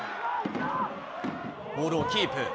ボールをキープ。